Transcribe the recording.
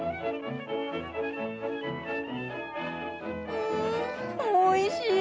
うんおいしい！